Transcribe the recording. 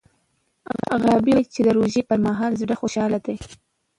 غابي وايي چې د روژې پر مهال زړه خوشحاله دی.